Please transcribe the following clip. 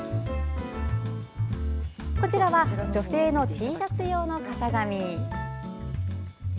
こちらは女性のＴシャツ用の型紙。